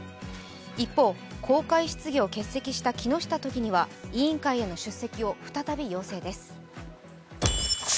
一方、公開質疑を欠席した木下都議には委員会への出席を再び要請です。